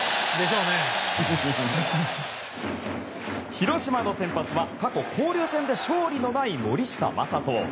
広島の先発は過去、交流戦で勝利のない森下暢仁。